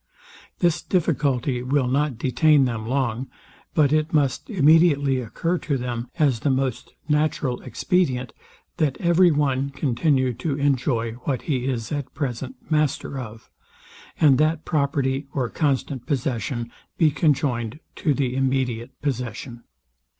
This difficulty will not detain them long; but it must immediately occur to them, as the most natural expedient, that every one continue to enjoy what he is at present master of, and that property or constant possession be conjoined to the immediate possession.